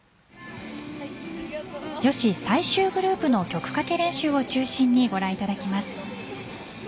女子最終グループの曲かけ練習を中心にご覧いただきます。